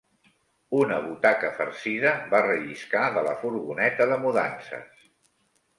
Una butaca farcida va relliscar de la furgoneta de mudances.